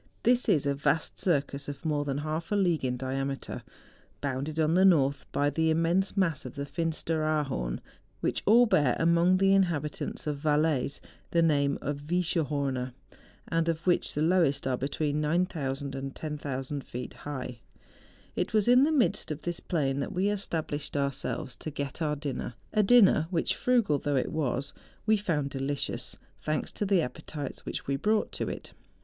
This is a vast circus of more than half a league in diameter, bounded on the north by the immense mass of the Finsteraarhorn, and crowned by ten great peaks, which all bear among the inhabitants of Valais the name of Viescherhorner, and of which the lowest are between 9000 and 10,000 feet high. It was in the midst of this plain that we established ourselves to get our dinner,— a dinner which, frugal though it was, we found delicious, thanks to the appetites which we brought to it.